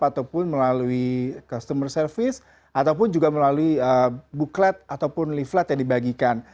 ataupun melalui customer service ataupun juga melalui booklet ataupun leaflet yang dibagikan